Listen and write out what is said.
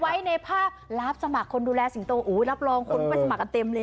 ไว้ในภาพรับสมัครคนดูแลสิงโตอู๋รับรองคนก็ไปสมัครกันเต็มเลย